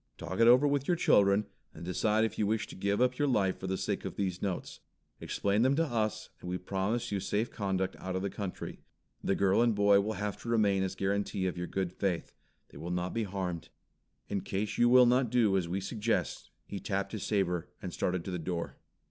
Talk it over with your children and decide if you wish to give up your life for the sake of these notes. Explain them to us, and we will promise you safe conduct out of the country. The girl and boy will have to remain as guarantee of your good faith. They will not be harmed. In case you will not do as we suggest " He tapped his saber, and started to the door.